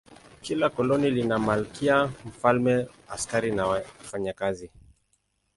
Kila koloni lina malkia, mfalme, askari na wafanyakazi.